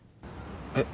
えっ？